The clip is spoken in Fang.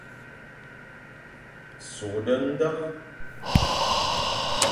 Sughde ndekh.